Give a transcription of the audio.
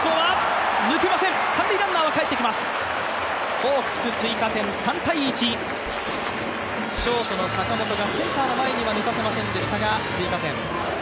ホークス追加点３−１．ショートの坂本がセンターの前には抜かせませんでしたが、追加点。